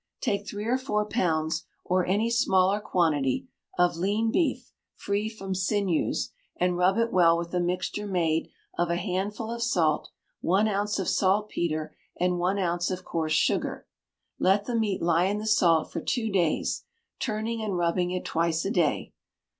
Take three or four pounds, or any smaller quantity, of lean beef, free from sinews, and rub it well with a mixture made of a handful of salt, one ounce of saltpetre, and one ounce of coarse sugar; let the meat lie in the salt for two days, turning and rubbing it twice a day.